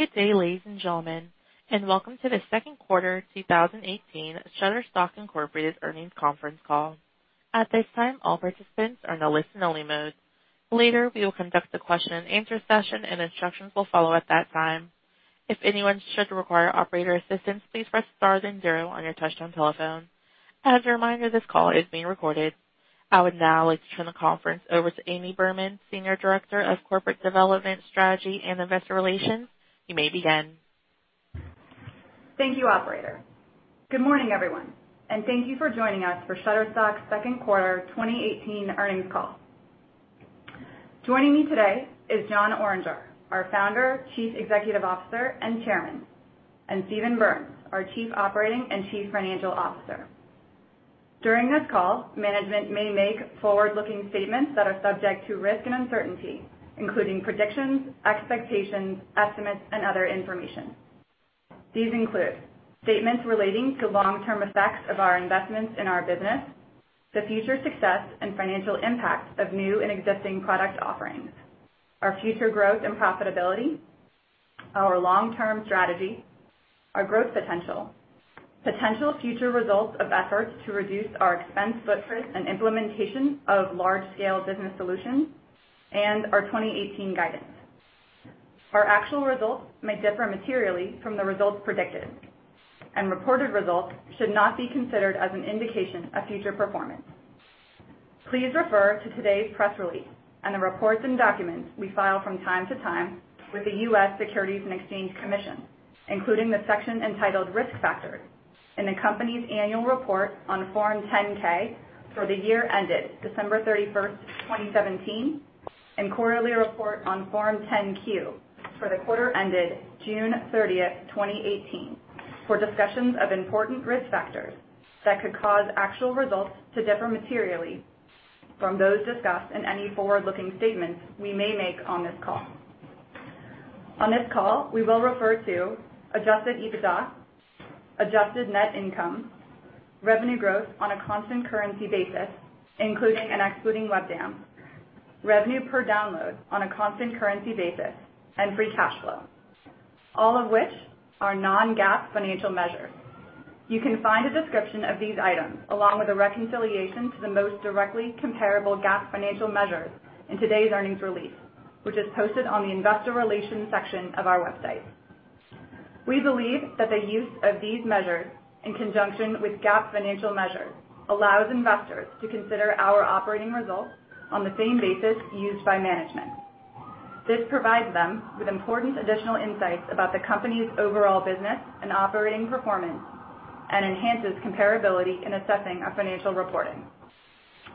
Good day, ladies and gentlemen, and welcome to the second quarter 2018 Shutterstock, Inc. earnings conference call. At this time, all participants are in a listen-only mode. Later, we will conduct a question and answer session, and instructions will follow at that time. If anyone should require operator assistance, please press star then zero on your touch-tone telephone. As a reminder, this call is being recorded. I would now like to turn the conference over to Amy Behrman, Senior Director of Corporate Development Strategy and Investor Relations. You may begin. Thank you, operator. Good morning, everyone, and thank you for joining us for Shutterstock's second quarter 2018 earnings call. Joining me today is Jon Oringer, our Founder, Chief Executive Officer, and Chairman, and Steven Berns, our Chief Operating and Chief Financial Officer. During this call, management may make forward-looking statements that are subject to risk and uncertainty, including predictions, expectations, estimates, and other information. These include statements relating to long-term effects of our investments in our business, the future success and financial impact of new and existing product offerings, our future growth and profitability, our long-term strategy, our growth potential future results of efforts to reduce our expense footprint and implementation of large-scale business solutions, and our 2018 guidance. Our actual results may differ materially from the results predicted, and reported results should not be considered as an indication of future performance. Please refer to today's press release and the reports and documents we file from time to time with the U.S. Securities and Exchange Commission, including the section entitled Risk Factors in the company's annual report on Form 10-K for the year ended December 31st, 2017, and quarterly report on Form 10-Q for the quarter ended June 30th, 2018, for discussions of important risk factors that could cause actual results to differ materially from those discussed in any forward-looking statements we may make on this call. On this call, we will refer to adjusted EBITDA, adjusted net income, revenue growth on a constant currency basis, including and excluding WebDAM, revenue per download on a constant currency basis, and free cash flow, all of which are non-GAAP financial measures. You can find a description of these items along with a reconciliation to the most directly comparable GAAP financial measures in today's earnings release, which is posted on the investor relations section of our website. We believe that the use of these measures, in conjunction with GAAP financial measures, allows investors to consider our operating results on the same basis used by management. This provides them with important additional insights about the company's overall business and operating performance and enhances comparability in assessing our financial reporting.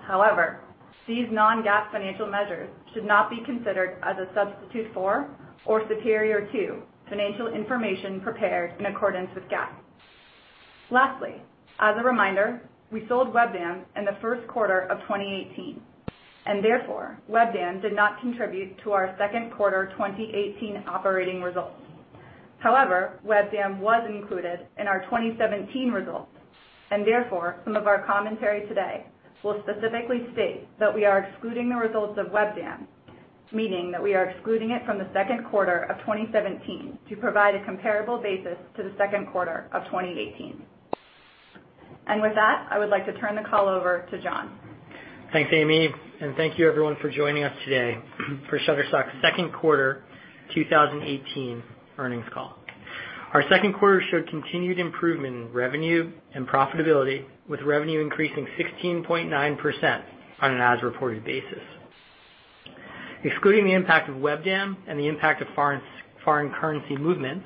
However, these non-GAAP financial measures should not be considered as a substitute for or superior to financial information prepared in accordance with GAAP. Lastly, as a reminder, we sold WebDAM in the first quarter of 2018, and therefore, WebDAM did not contribute to our second quarter 2018 operating results. However, WebDAM was included in our 2017 results, therefore, some of our commentary today will specifically state that we are excluding the results of WebDAM, meaning that we are excluding it from the second quarter of 2017 to provide a comparable basis to the second quarter of 2018. With that, I would like to turn the call over to Jon. Thanks, Amy, and thank you everyone for joining us today for Shutterstock's second quarter 2018 earnings call. Our second quarter showed continued improvement in revenue and profitability, with revenue increasing 16.9% on an as-reported basis. Excluding the impact of WebDAM and the impact of foreign currency movements,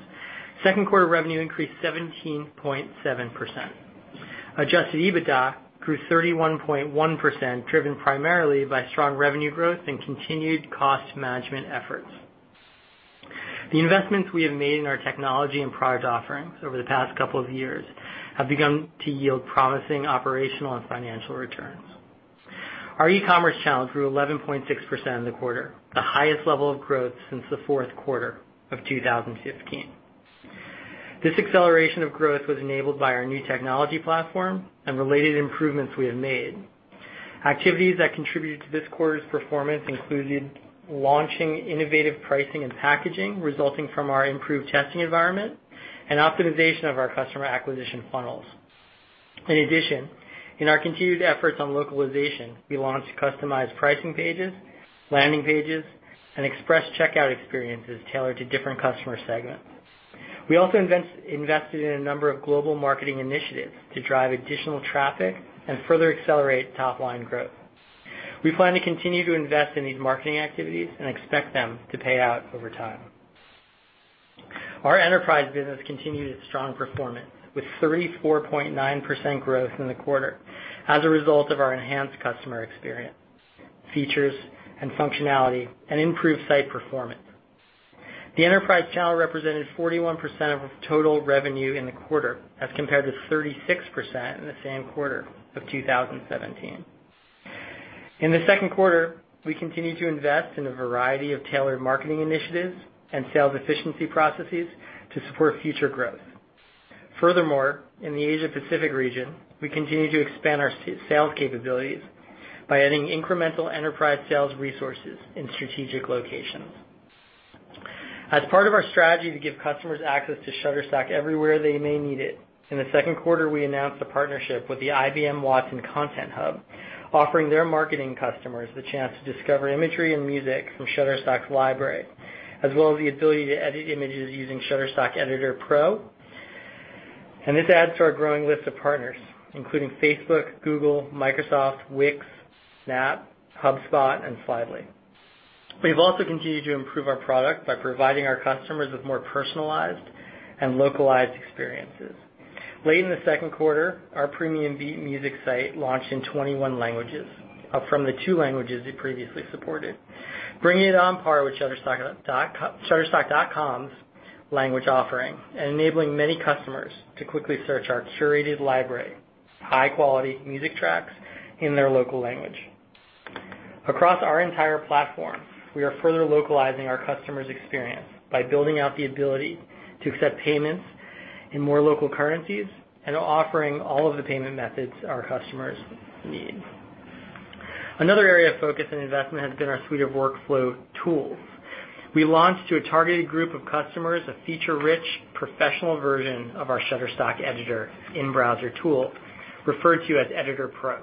second quarter revenue increased 17.7%. adjusted EBITDA grew 31.1%, driven primarily by strong revenue growth and continued cost management efforts. The investments we have made in our technology and product offerings over the past couple of years have begun to yield promising operational and financial returns. Our e-commerce channel grew 11.6% in the quarter, the highest level of growth since the fourth quarter of 2015. This acceleration of growth was enabled by our new technology platform and related improvements we have made. Activities that contributed to this quarter's performance included launching innovative pricing and packaging resulting from our improved testing environment and optimization of our customer acquisition funnels. In addition, in our continued efforts on localization, we launched customized pricing pages, landing pages, and express checkout experiences tailored to different customer segments. We also invested in a number of global marketing initiatives to drive additional traffic and further accelerate top-line growth. We plan to continue to invest in these marketing activities and expect them to pay out over time. Our enterprise business continued its strong performance, with 34.9% growth in the quarter as a result of our enhanced customer experience, features and functionality, and improved site performance. The enterprise channel represented 41% of total revenue in the quarter, as compared to 36% in the same quarter of 2017. In the second quarter, we continued to invest in a variety of tailored marketing initiatives and sales efficiency processes to support future growth. Furthermore, in the Asia Pacific region, we continue to expand our sales capabilities by adding incremental enterprise sales resources in strategic locations. As part of our strategy to give customers access to Shutterstock everywhere they may need it, in the second quarter, we announced a partnership with the IBM Watson Content Hub, offering their marketing customers the chance to discover imagery and music from Shutterstock's library, as well as the ability to edit images using Shutterstock Editor Pro. This adds to our growing list of partners, including Facebook, Google, Microsoft, Wix, Snap, HubSpot, and Slidely. We've also continued to improve our product by providing our customers with more personalized and localized experiences. Late in the second quarter, our PremiumBeat music site launched in 21 languages, up from the two languages it previously supported, bringing it on par with shutterstock.com's language offering and enabling many customers to quickly search our curated library of high-quality music tracks in their local language. Across our entire platform, we are further localizing our customer's experience by building out the ability to accept payments in more local currencies and offering all of the payment methods our customers need. Another area of focus and investment has been our suite of workflow tools. We launched to a targeted group of customers a feature-rich, professional version of our Shutterstock Editor in-browser tool, referred to as Editor Pro.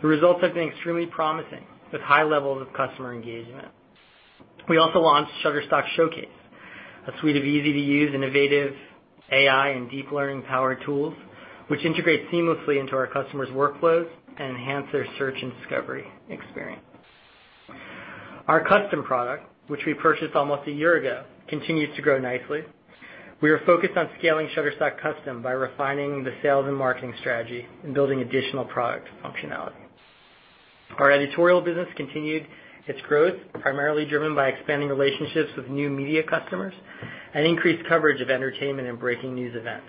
The results have been extremely promising, with high levels of customer engagement. We also launched Shutterstock Showcase, a suite of easy-to-use, innovative AI and deep learning power tools, which integrate seamlessly into our customers' workflows and enhance their search and discovery experience. Our Custom product, which we purchased almost a year ago, continues to grow nicely. We are focused on scaling Shutterstock Custom by refining the sales and marketing strategy and building additional product functionality. Our editorial business continued its growth, primarily driven by expanding relationships with new media customers and increased coverage of entertainment and breaking news events.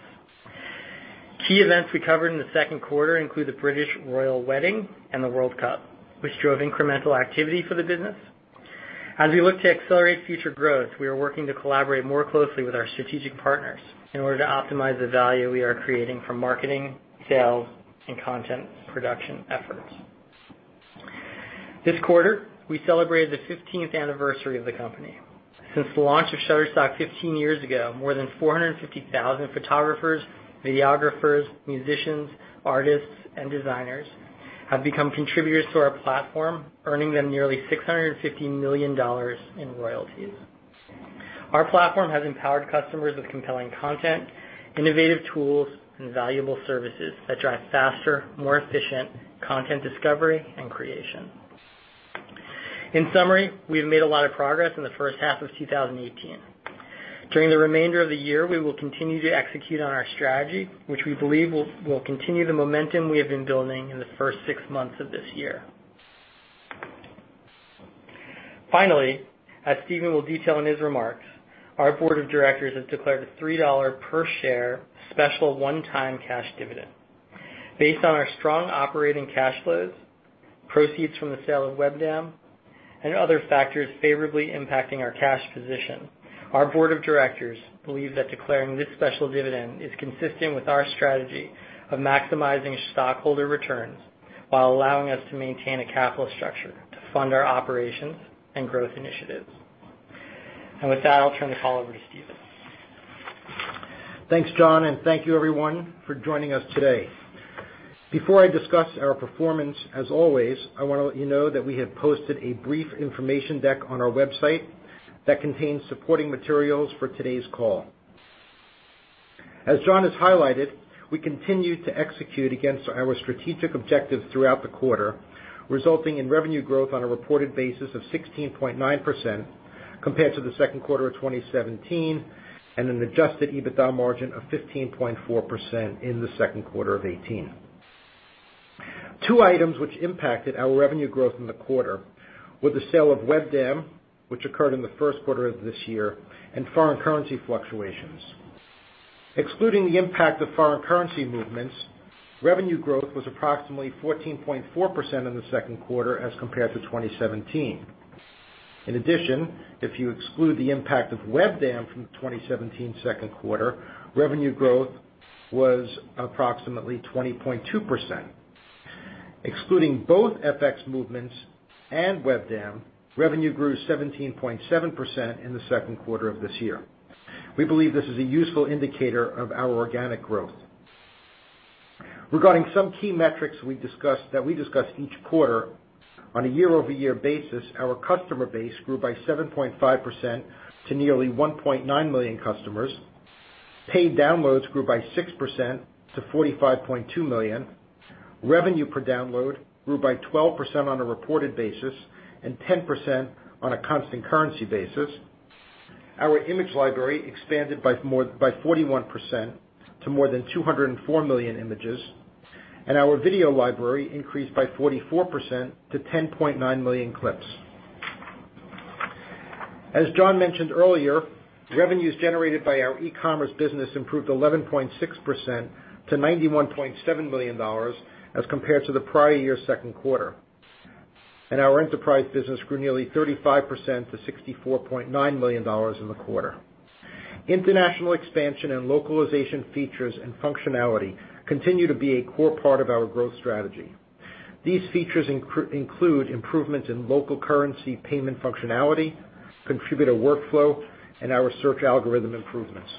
Key events we covered in the second quarter include the British royal wedding and the World Cup, which drove incremental activity for the business. As we look to accelerate future growth, we are working to collaborate more closely with our strategic partners in order to optimize the value we are creating from marketing, sales, and content production efforts. This quarter, we celebrated the 15th anniversary of the company. Since the launch of Shutterstock 15 years ago, more than 450,000 photographers, videographers, musicians, artists, and designers have become contributors to our platform, earning them nearly $650 million in royalties. Our platform has empowered customers with compelling content, innovative tools, and valuable services that drive faster, more efficient content discovery and creation. In summary, we have made a lot of progress in the first half of 2018. During the remainder of the year, we will continue to execute on our strategy, which we believe will continue the momentum we have been building in the first six months of this year. As Steven will detail in his remarks, our Shutterstock Board of Directors has declared a $3 per share special one-time cash dividend. Based on our strong operating cash flows, proceeds from the sale of WebDAM, and other factors favorably impacting our cash position, our Shutterstock Board of Directors believes that declaring this special dividend is consistent with our strategy of maximizing stockholder returns while allowing us to maintain a capital structure to fund our operations and growth initiatives. With that, I'll turn the call over to Steven. Thanks, Jon, and thank you, everyone, for joining us today. Before I discuss our performance, as always, I want to let you know that we have posted a brief information deck on our website that contains supporting materials for today's call. As Jon has highlighted, we continue to execute against our strategic objectives throughout the quarter, resulting in revenue growth on a reported basis of 16.9% compared to the second quarter of 2017, and an adjusted EBITDA margin of 15.4% in the second quarter of 2018. Two items which impacted our revenue growth in the quarter were the sale of WebDAM, which occurred in the first quarter of this year, and foreign currency fluctuations. Excluding the impact of foreign currency movements, revenue growth was approximately 14.4% in the second quarter as compared to 2017. In addition, if you exclude the impact of WebDAM from 2017's second quarter, revenue growth was approximately 20.2%. Excluding both FX movements and WebDAM, revenue grew 17.7% in the second quarter of this year. We believe this is a useful indicator of our organic growth. Regarding some key metrics that we discuss each quarter, on a year-over-year basis, our customer base grew by 7.5% to nearly 1.9 million customers. Paid downloads grew by 6% to 45.2 million. Revenue per download grew by 12% on a reported basis and 10% on a constant currency basis. Our image library expanded by 41% to more than 204 million images, and our video library increased by 44% to 10.9 million clips. As Jon mentioned earlier, revenues generated by our e-commerce business improved 11.6% to $91.7 million as compared to the prior year's second quarter. Our enterprise business grew nearly 35% to $64.9 million in the quarter. International expansion and localization features and functionality continue to be a core part of our growth strategy. These features include improvements in local currency payment functionality, contributor workflow, and our search algorithm improvements.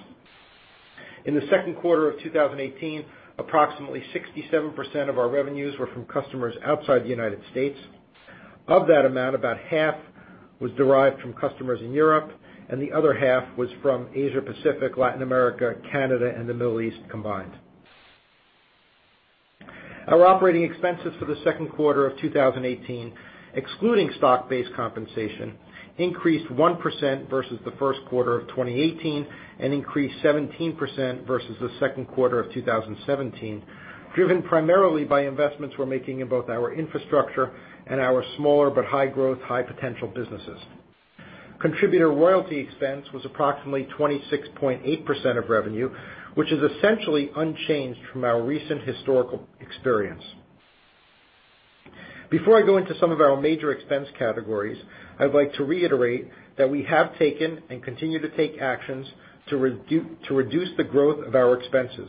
In the second quarter of 2018, approximately 67% of our revenues were from customers outside the U.S. Of that amount, about half was derived from customers in Europe, and the other half was from Asia Pacific, Latin America, Canada, and the Middle East combined. Our operating expenses for the second quarter of 2018, excluding stock-based compensation, increased 1% versus the first quarter of 2018, and increased 17% versus the second quarter of 2017, driven primarily by investments we're making in both our infrastructure and our smaller but high-growth, high-potential businesses. Contributor royalty expense was approximately 26.8% of revenue, which is essentially unchanged from our recent historical experience. Before I go into some of our major expense categories, I'd like to reiterate that we have taken and continue to take actions to reduce the growth of our expenses.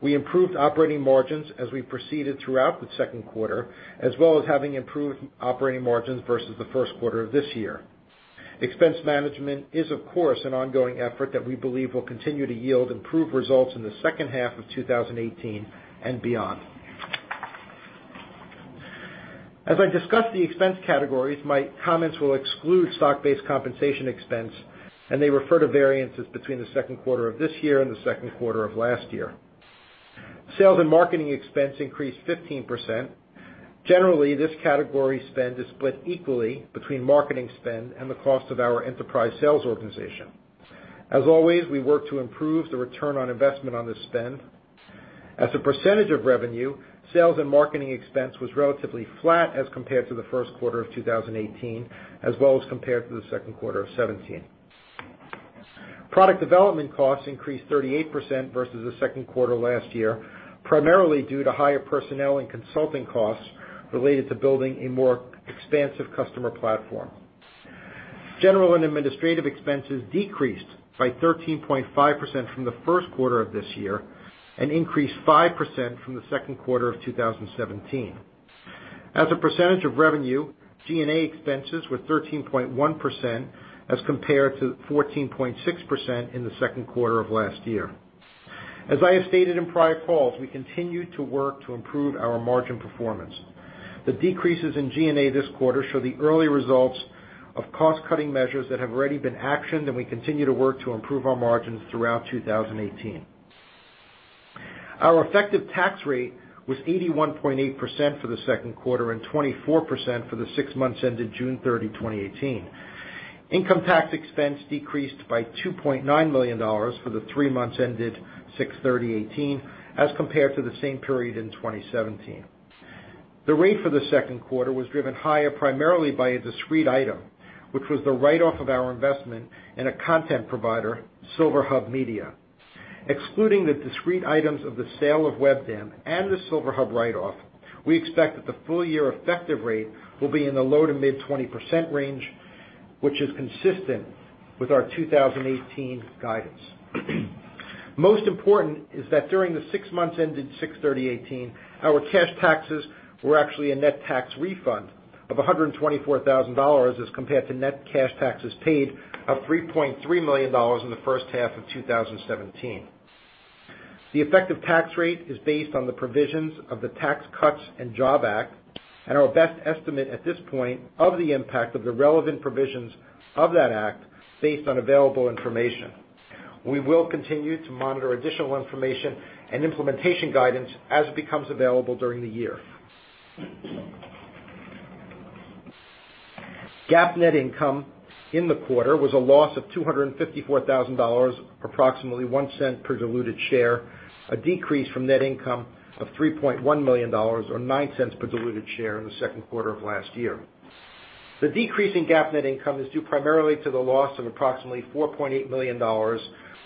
We improved operating margins as we proceeded throughout the second quarter, as well as having improved operating margins versus the first quarter of this year. Expense management is, of course, an ongoing effort that we believe will continue to yield improved results in the second half of 2018 and beyond. As I discuss the expense categories, my comments will exclude stock-based compensation expense, and they refer to variances between the second quarter of this year and the second quarter of last year. Sales and marketing expense increased 15%. Generally, this category spend is split equally between marketing spend and the cost of our enterprise sales organization. As always, we work to improve the return on investment on this spend. As a percentage of revenue, sales and marketing expense was relatively flat as compared to the first quarter of 2018, as well as compared to the second quarter of 2017. Product development costs increased 38% versus the second quarter last year, primarily due to higher personnel and consulting costs related to building a more expansive customer platform. General and administrative expenses decreased by 13.5% from the first quarter of this year and increased 5% from the second quarter of 2017. As a percentage of revenue, G&A expenses were 13.1% as compared to 14.6% in the second quarter of last year. As I have stated in prior calls, we continue to work to improve our margin performance. The decreases in G&A this quarter show the early results of cost-cutting measures that have already been actioned. We continue to work to improve our margins throughout 2018. Our effective tax rate was 81.8% for the second quarter and 24% for the six months ended June 30, 2018. Income tax expense decreased by $2.9 million for the three months ended 06/30/2018 as compared to the same period in 2017. The rate for the second quarter was driven higher primarily by a discrete item, which was the write-off of our investment in a content provider, SilverHub Media. Excluding the discrete items of the sale of WebDAM and the SilverHub write-off, we expect that the full-year effective rate will be in the low to mid 20% range, which is consistent with our 2018 guidance. Most important is that during the six months ended 06/30/2018, our cash taxes were actually a net tax refund of $124,000 as compared to net cash taxes paid of $3.3 million in the first half of 2017. The effective tax rate is based on the provisions of the Tax Cuts and Jobs Act and our best estimate at this point of the impact of the relevant provisions of that act, based on available information. We will continue to monitor additional information and implementation guidance as it becomes available during the year. GAAP net income in the quarter was a loss of $254,000, approximately $0.01 per diluted share, a decrease from net income of $3.1 million or $0.09 per diluted share in the second quarter of last year. The decrease in GAAP net income is due primarily to the loss of approximately $4.8 million or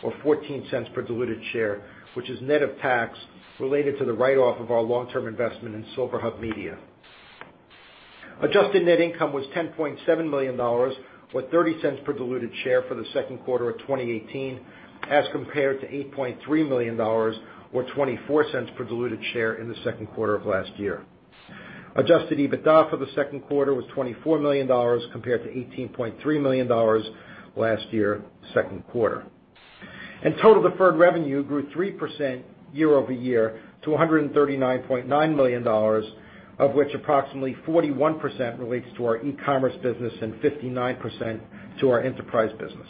$0.14 per diluted share, which is net of tax related to the write-off of our long-term investment in SilverHub Media. Adjusted net income was $10.7 million or $0.30 per diluted share for the second quarter of 2018 as compared to $8.3 million or $0.24 per diluted share in the second quarter of last year. Adjusted EBITDA for the second quarter was $24 million compared to $18.3 million last year, second quarter. Total deferred revenue grew 3% year-over-year to $139.9 million, of which approximately 41% relates to our e-commerce business and 59% to our enterprise business.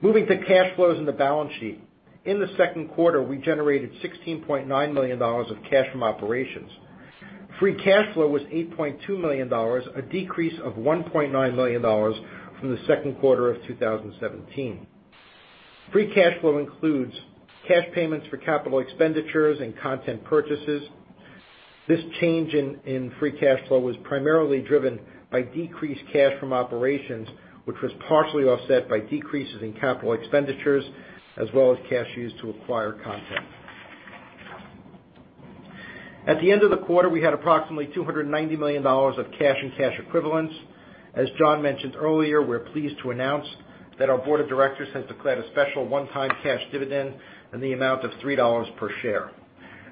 Moving to cash flows and the balance sheet. In the second quarter, we generated $16.9 million of cash from operations. Free cash flow was $8.2 million, a decrease of $1.9 million from the second quarter of 2017. Free cash flow includes cash payments for capital expenditures and content purchases. This change in free cash flow was primarily driven by decreased cash from operations, which was partially offset by decreases in capital expenditures as well as cash used to acquire content. At the end of the quarter, we had approximately $290 million of cash and cash equivalents. As Jon mentioned earlier, we're pleased to announce that our Board of Directors has declared a special one-time cash dividend in the amount of $3 per share.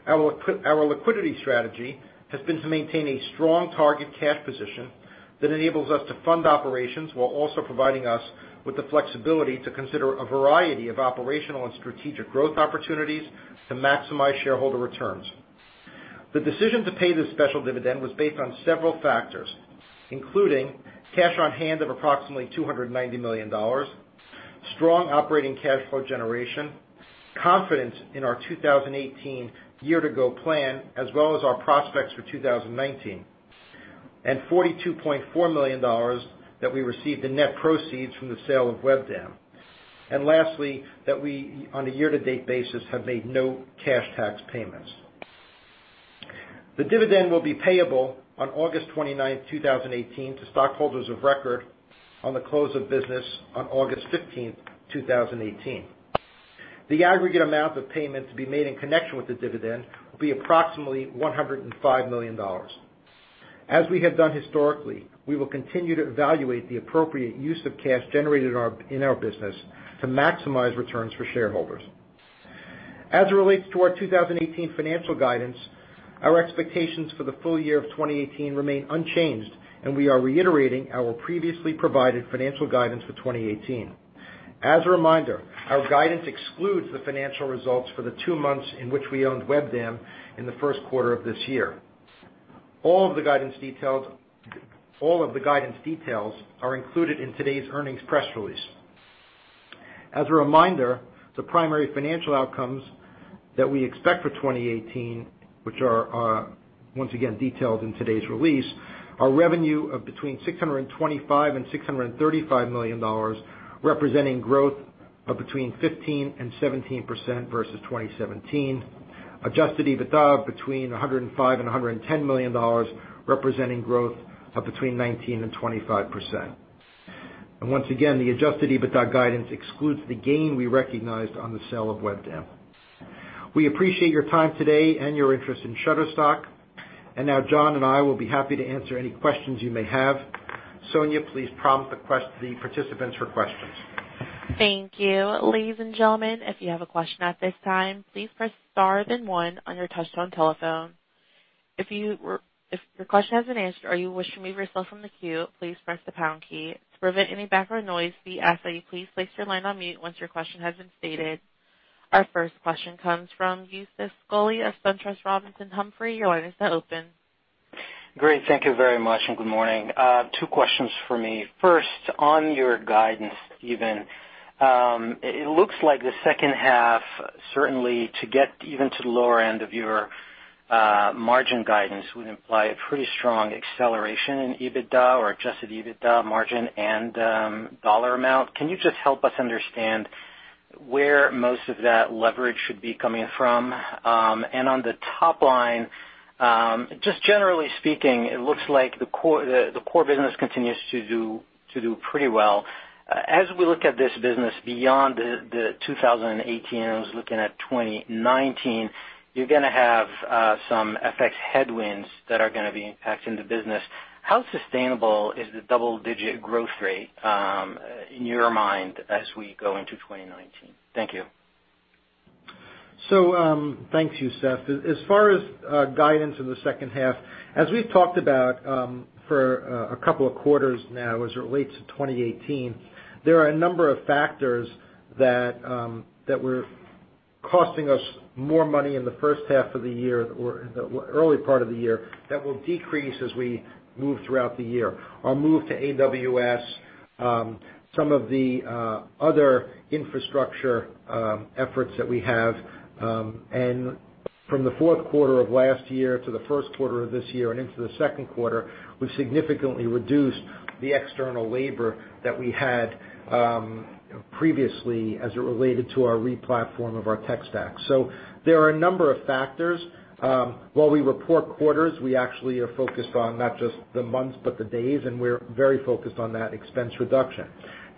Our liquidity strategy has been to maintain a strong target cash position that enables us to fund operations while also providing us with the flexibility to consider a variety of operational and strategic growth opportunities to maximize shareholder returns. The decision to pay this special dividend was based on several factors, including cash on hand of approximately $290 million, strong operating cash flow generation, confidence in our 2018 year-to-go plan, as well as our prospects for 2019, and $42.4 million that we received in net proceeds from the sale of WebDAM. Lastly, that we, on a year-to-date basis, have made no cash tax payments. The dividend will be payable on August 29th, 2018, to stockholders of record on the close of business on August 15th, 2018. The aggregate amount of payments to be made in connection with the dividend will be approximately $105 million. As we have done historically, we will continue to evaluate the appropriate use of cash generated in our business to maximize returns for shareholders. As it relates to our 2018 financial guidance, our expectations for the full year of 2018 remain unchanged, and we are reiterating our previously provided financial guidance for 2018. As a reminder, our guidance excludes the financial results for the two months in which we owned WebDAM in the first quarter of this year. All of the guidance details are included in today's earnings press release. As a reminder, the primary financial outcomes that we expect for 2018, which are once again detailed in today's release, are revenue of between $625 million-$635 million, representing growth of between 15%-17% versus 2017. adjusted EBITDA between $105 million-$110 million, representing growth of between 19%-25%. Once again, the adjusted EBITDA guidance excludes the gain we recognized on the sale of WebDAM. We appreciate your time today and your interest in Shutterstock. Now Jon and I will be happy to answer any questions you may have. Sonia, please prompt the participants for questions. Thank you. Ladies and gentlemen, if you have a question at this time, please press star then one on your touchtone telephone. If your question has been answered or you wish to remove yourself from the queue, please press the pound key. To prevent any background noise, we ask that you please place your line on mute once your question has been stated. Our first question comes from Youssef Squali of SunTrust Robinson Humphrey. Your line is now open. Great. Thank you very much, good morning. Two questions for me. First, on your guidance, Steven. It looks like the second half, certainly to get even to the lower end of your margin guidance, would imply a pretty strong acceleration in EBITDA or adjusted EBITDA margin and dollar amount. Can you just help us understand where most of that leverage should be coming from? On the top line, just generally speaking, it looks like the core business continues to do pretty well. As we look at this business beyond 2018, I was looking at 2019, you're gonna have some FX headwinds that are gonna be impacting the business. How sustainable is the double-digit growth rate, in your mind, as we go into 2019? Thank you. Thanks, Youssef. As far as guidance in the second half, as we've talked about for a couple of quarters now, as it relates to 2018, there are a number of factors that were costing us more money in the first half of the year, or in the early part of the year, that will decrease as we move throughout the year. Our move to AWS, some of the other infrastructure efforts that we have, and from the fourth quarter of last year to the first quarter of this year and into the second quarter, we've significantly reduced the external labor that we had previously as it related to our re-platform of our tech stack. There are a number of factors. While we report quarters, we actually are focused on not just the months, but the days, and we're very focused on that expense reduction.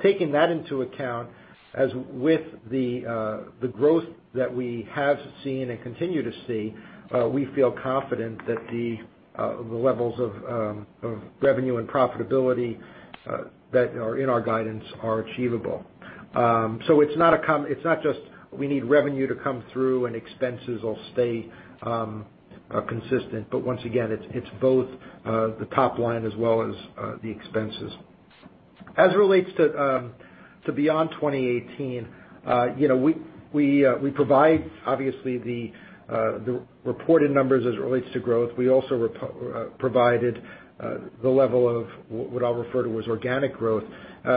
Taking that into account, as with the growth that we have seen and continue to see, we feel confident that the levels of revenue and profitability that are in our guidance are achievable. It's not just we need revenue to come through and expenses will stay consistent. Once again, it's both the top line as well as the expenses. As it relates to beyond 2018, we provide obviously the reported numbers as it relates to growth. We also provided the level of what I'll refer to as organic growth.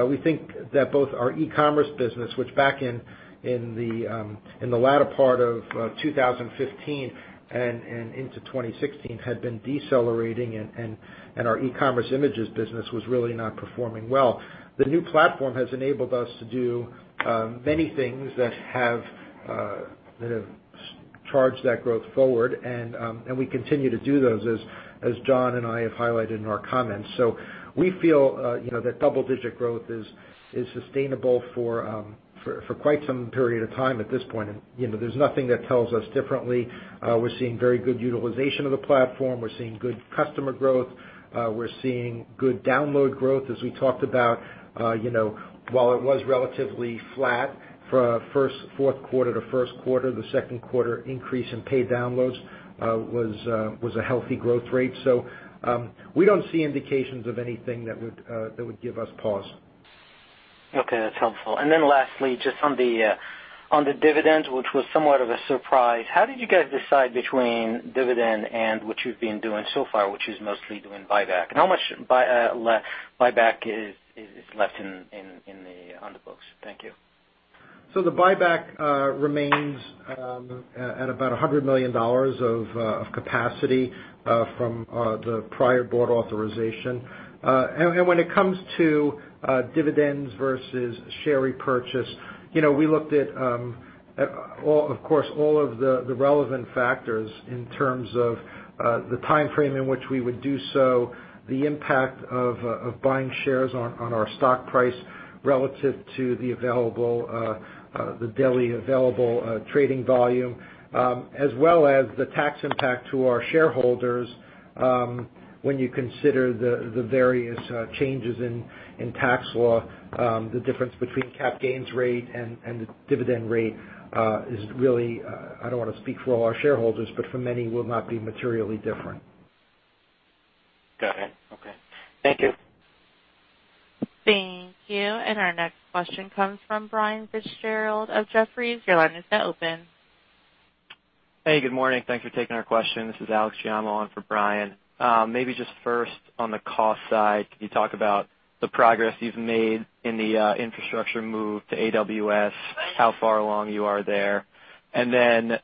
We think that both our e-commerce business, which back in the latter part of 2015 and into 2016 had been decelerating and our e-commerce images business was really not performing well. The new platform has enabled us to do many things that have Charge that growth forward, and we continue to do those as Jon and I have highlighted in our comments. We feel that double-digit growth is sustainable for quite some period of time at this point. There's nothing that tells us differently. We're seeing very good utilization of the platform. We're seeing good customer growth. We're seeing good download growth, as we talked about. While it was relatively flat for fourth quarter to first quarter, the second quarter increase in paid downloads was a healthy growth rate. We don't see indications of anything that would give us pause. Okay, that's helpful. Lastly, just on the dividend, which was somewhat of a surprise, how did you guys decide between dividend and what you've been doing so far, which is mostly doing buyback? How much buyback is left on the books? Thank you. The buyback remains at about $100 million of capacity from the prior board authorization. When it comes to dividends versus share repurchase, we looked at, of course, all of the relevant factors in terms of the timeframe in which we would do so, the impact of buying shares on our stock price relative to the daily available trading volume, as well as the tax impact to our shareholders when you consider the various changes in tax law. The difference between cap gains rate and the dividend rate is really, I don't want to speak for all our shareholders, but for many, will not be materially different. Got it. Okay. Thank you. Thank you. Our next question comes from Brian Fitzgerald of Jefferies. Your line is now open. Hey, good morning. Thanks for taking our question. This is Alex Giammo in for Brian. Just first on the cost side, could you talk about the progress you've made in the infrastructure move to AWS, how far along you are there? Then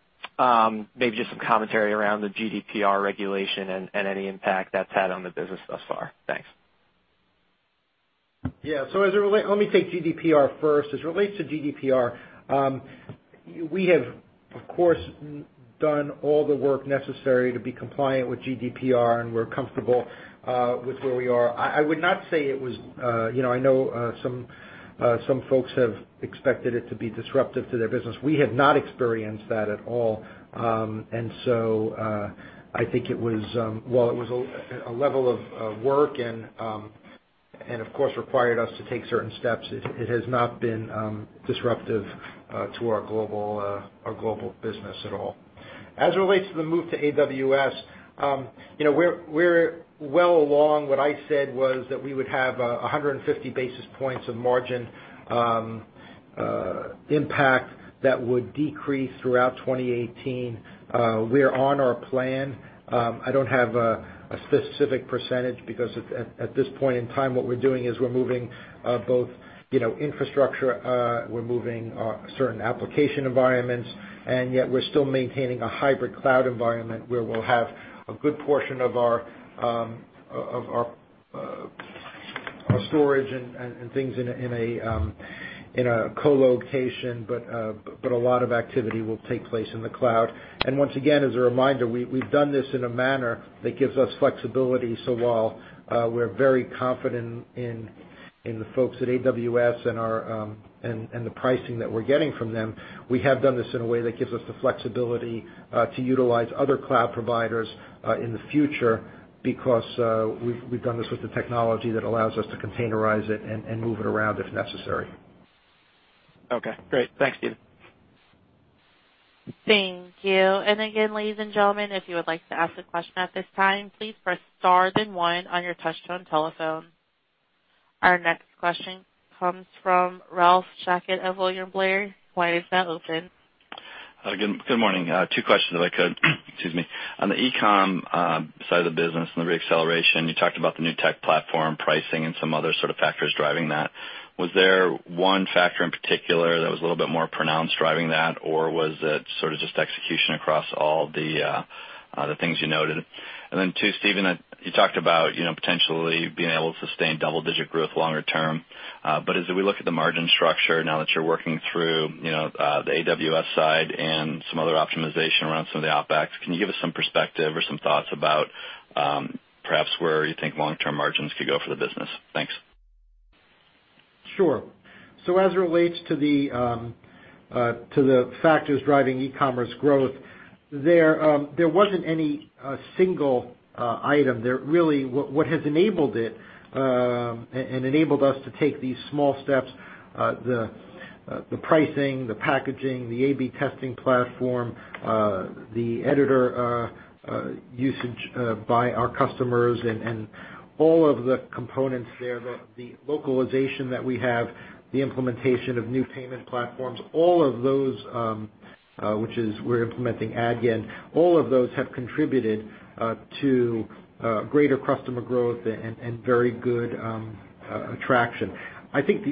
just some commentary around the GDPR regulation and any impact that's had on the business thus far. Thanks. Yeah. Let me take GDPR first. As it relates to GDPR, we have, of course, done all the work necessary to be compliant with GDPR, and we're comfortable with where we are. I know some folks have expected it to be disruptive to their business. We have not experienced that at all. I think while it was a level of work and, of course, required us to take certain steps, it has not been disruptive to our global business at all. As it relates to the move to AWS, we're well along. What I said was that we would have 150 basis points of margin impact that would decrease throughout 2018. We're on our plan. I don't have a specific percentage because at this point in time, what we're doing is we're moving both infrastructure, we're moving certain application environments, and yet we're still maintaining a hybrid cloud environment where we'll have a good portion of our storage and things in a co-location, but a lot of activity will take place in the cloud. Once again, as a reminder, we've done this in a manner that gives us flexibility. While we're very confident in the folks at AWS and the pricing that we're getting from them, we have done this in a way that gives us the flexibility to utilize other cloud providers in the future because we've done this with the technology that allows us to containerize it and move it around if necessary. Okay, great. Thanks, Steven. Thank you. Again, ladies and gentlemen, if you would like to ask a question at this time, please press star then one on your touchtone telephone. Our next question comes from Ralph Schackart of William Blair. Your line is now open. Good morning. Two questions if I could. Excuse me. On the e-com side of the business and the re-acceleration, you talked about the new tech platform pricing and some other sort of factors driving that. Was there one factor in particular that was a little bit more pronounced driving that, or was it sort of just execution across all the things you noted? Then two, Steven, you talked about potentially being able to sustain double-digit growth longer term. As we look at the margin structure now that you're working through the AWS side and some other optimization around some of the OpEx, can you give us some perspective or some thoughts about perhaps where you think long-term margins could go for the business? Thanks. Sure. As it relates to the factors driving e-commerce growth, there wasn't any single item. Really, what has enabled it, and enabled us to take these small steps, the pricing, the packaging, the A/B testing platform, the editor usage by our customers, and all of the components there, the localization that we have, the implementation of new payment platforms, which is we're implementing Adyen, all of those have contributed to greater customer growth and very good attraction. I think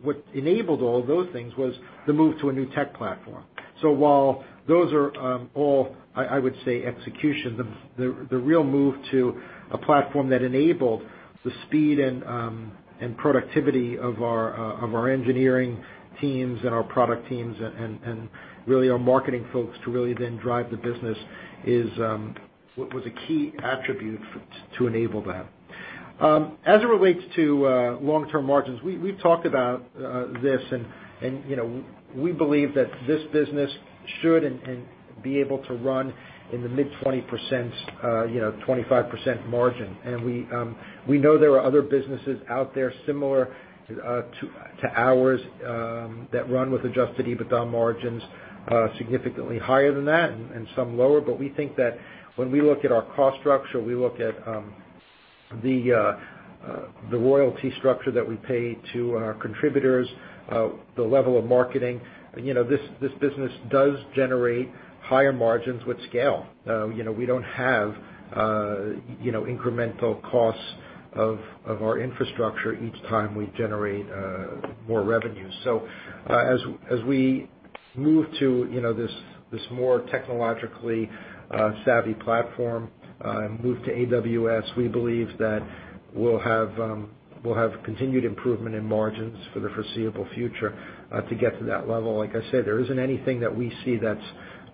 what enabled all those things was the move to a new tech platform. While those are all, I would say, execution, the real move to a platform that enabled the speed and productivity of our engineering teams and our product teams and really our marketing folks to really then drive the business was a key attribute to enable that. As it relates to long-term margins, we've talked about this. We believe that this business should and be able to run in the mid 20%-25% margin. We know there are other businesses out there similar to ours, that run with adjusted EBITDA margins significantly higher than that and some lower. We think that when we look at our cost structure, we look at the royalty structure that we pay to our contributors, the level of marketing, this business does generate higher margins with scale. We don't have incremental costs of our infrastructure each time we generate more revenue. As we move to this more technologically savvy platform, move to AWS, we believe that we'll have continued improvement in margins for the foreseeable future to get to that level. Like I said, there isn't anything that we see that's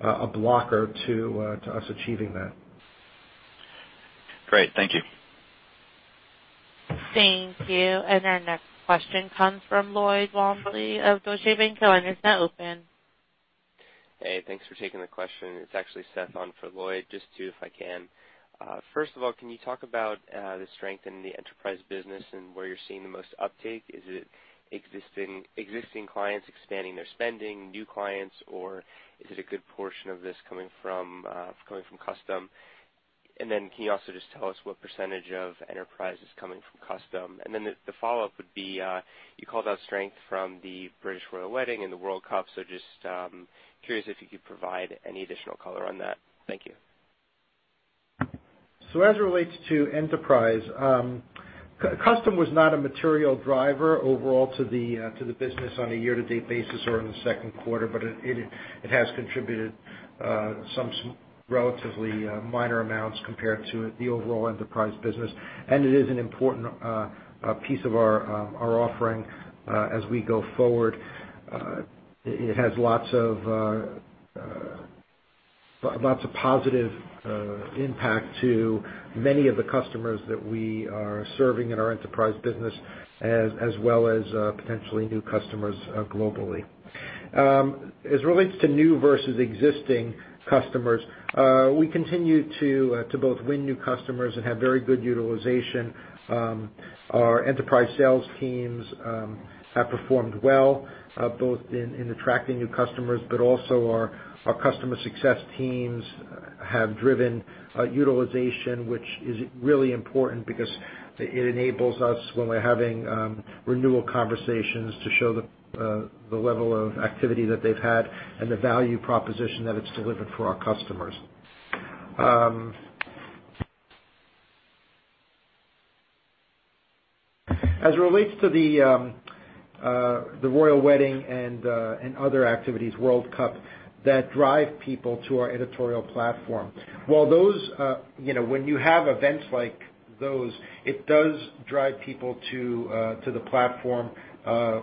a blocker to us achieving that. Great. Thank you. Thank you. Our next question comes from Lloyd Walmsley of Deutsche Bank, your line is now open. Hey, thanks for taking the question. It's actually Seth on for Lloyd. Just two if I can. First of all, can you talk about the strength in the enterprise business and where you're seeing the most uptake? Is it existing clients expanding their spending, new clients, or is it a good portion of this coming from custom? Can you also just tell us what % of enterprise is coming from custom? The follow-up would be, you called out strength from the British royal wedding and the World Cup, just curious if you could provide any additional color on that. Thank you. As it relates to enterprise, Custom was not a material driver overall to the business on a year-to-date basis or in the second quarter. It has contributed some relatively minor amounts compared to the overall enterprise business, and it is an important piece of our offering as we go forward. It has lots of positive impact to many of the customers that we are serving in our enterprise business, as well as potentially new customers globally. As it relates to new versus existing customers, we continue to both win new customers and have very good utilization. Our enterprise sales teams have performed well, both in attracting new customers, also our customer success teams have driven utilization, which is really important because it enables us when we're having renewal conversations to show the level of activity that they've had and the value proposition that it's delivered for our customers. As it relates to the royal wedding and other activities, World Cup, that drive people to our editorial platform. When you have events like those, it does drive people to the platform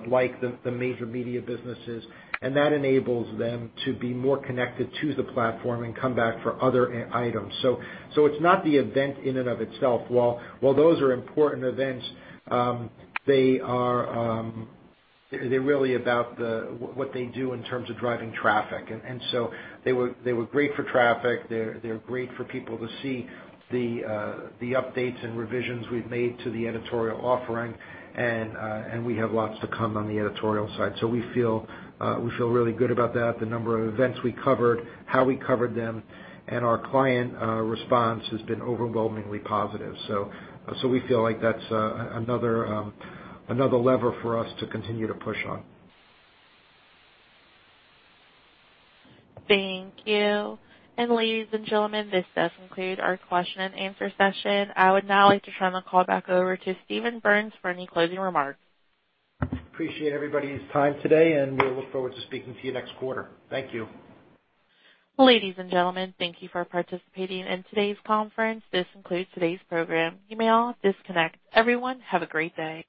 like the major media businesses, that enables them to be more connected to the platform and come back for other items. It's not the event in and of itself. While those are important events, they're really about what they do in terms of driving traffic. They were great for traffic. They're great for people to see the updates and revisions we've made to the editorial offering, we have lots to come on the editorial side. We feel really good about that. The number of events we covered, how we covered them, and our client response has been overwhelmingly positive. We feel like that's another lever for us to continue to push on. Thank you. Ladies and gentlemen, this does conclude our question and answer session. I would now like to turn the call back over to Steven Berns for any closing remarks. Appreciate everybody's time today, and we look forward to speaking to you next quarter. Thank you. Ladies and gentlemen, thank you for participating in today's conference. This concludes today's program. You may all disconnect. Everyone, have a great day.